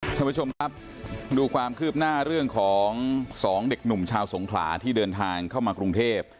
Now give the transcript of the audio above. ท่านผู้ชมครับดูความคืบหน้าเรื่องของสองเด็กหนุ่มชาวสงขลาที่เดินทางเข้ามากรุงเทพ